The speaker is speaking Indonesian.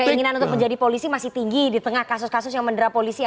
keinginan untuk menjadi polisi masih tinggi di tengah kasus kasus yang mendera polisi